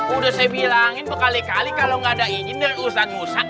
udah saya bilangin bekali kali kalau nggak ada izin dan urusan musak